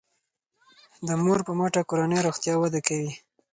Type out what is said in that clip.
د مور په مټه کورنی روغتیا وده کوي.